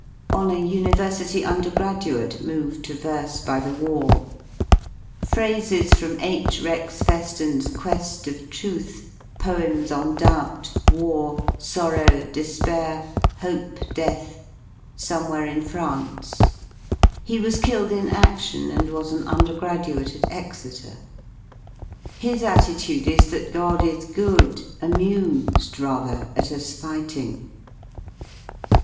On a University Undergraduate moved to verse by the tvar. Phrases from H, Rex FeAon's "^leA of Truth": Poems on Doubt, War, Sorrow, Despair, Hope, Death, Somewhere in France. He was killed in i&loa and was an undergraduate at Exeter. His attitude is that God h good, amused, rather, at us fighting.